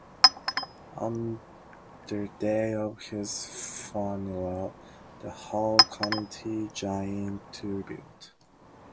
On the day of his funeral, the whole community joined in tribute.